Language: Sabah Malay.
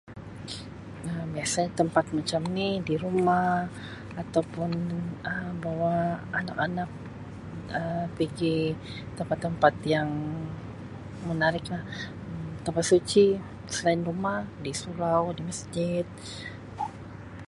Um Biasanya tempat macam ni di rumah ataupun Um bawa anak-anak Um pigi tempat-tempat yang menariklah Um tempat suci selain rumah di surau di masjid.